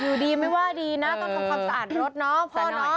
อยู่ดีไม่ว่าดีนะต้องทำความสะอาดรถเนาะพ่อเนาะ